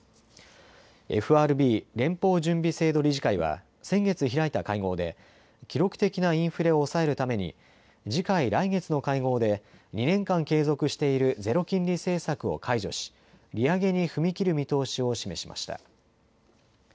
ＦＲＢ・連邦準備制度理事会は先月開いた会合で記録的なインフレを抑えるために次回、来月の会合で２年間継続しているゼロ金利政策を解除し利上げに踏み切る見通しを示しました。